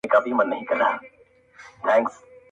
مور بې وسه ده او د حل لاره نه ويني,